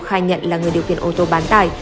khai nhận là người điều khiển ô tô bán tải